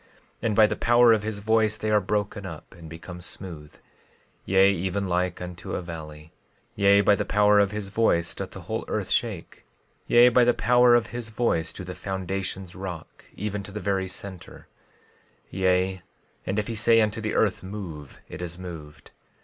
12:10 And by the power of his voice they are broken up, and become smooth, yea, even like unto a valley. 12:11 Yea, by the power of his voice doth the whole earth shake; 12:12 Yea, by the power of his voice, do the foundations rock, even to the very center. 12:13 Yea, and if he say unto the earth—Move—it is moved.